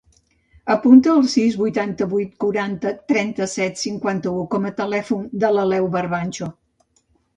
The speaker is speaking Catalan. Apunta el sis, vuitanta-vuit, quaranta, trenta-set, cinquanta-u com a telèfon de l'Aleu Barbancho.